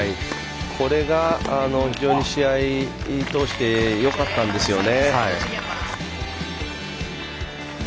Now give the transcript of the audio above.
これが、非常に試合を通してよかったんですよね。